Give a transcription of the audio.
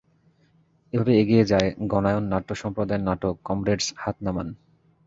এভাবে এগিয়ে যায় গণায়ন নাট্য সম্প্রদায়ের নাটক কমরেডস হাত নামান।